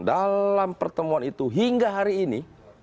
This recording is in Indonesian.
dalam pertemuan itu hingga hari ini